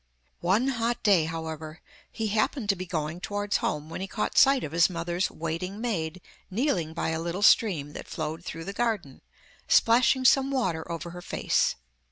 One hot day, however, he happened to be going towards home when he caught sight of his mother's waiting maid kneeling by a little stream that flowed through the garden, splashing some water over her face.